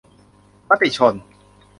มติชน